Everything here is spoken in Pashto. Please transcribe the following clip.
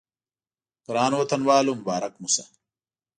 ګرانو وطنوالو مبارک مو شه.